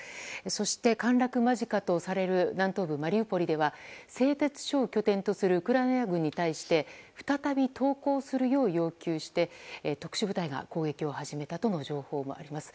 そして、陥落間近とされる南東部マリウポリでは製鉄所を拠点とするウクライナ軍に対して再び投降するよう要求して特殊部隊が攻撃を始めたとの情報もあります。